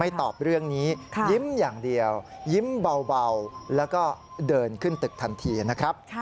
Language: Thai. ตอบเรื่องนี้ยิ้มอย่างเดียวยิ้มเบาแล้วก็เดินขึ้นตึกทันทีนะครับ